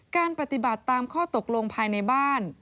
การปฏิบัติตามข้อตกลงภายในบ้าน